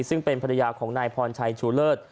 ซึ่งเป็นภรรยาของนายพรชัยชูเลิศ